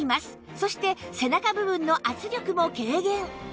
そして背中部分の圧力も軽減